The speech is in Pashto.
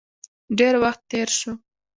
ډیر وخت تیر شو.